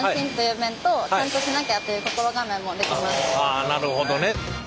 あなるほどね。